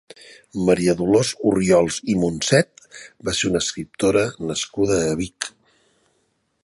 María Dolors Orriols i Monset va ser una escriptora nascuda a Vic.